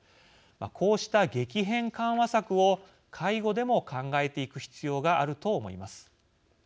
こうした激変緩和策を介護でも考えていく必要があると思います。